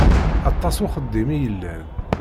Aṭas uxeddim i yellan.